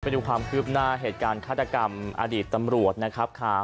ไปดูความคืบหน้าเหตุการณ์ฆาตกรรมอดีตตำรวจนะครับ